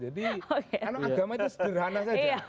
agama itu sederhana saja